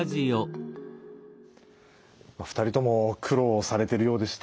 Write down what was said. ２人とも苦労されてるようでした。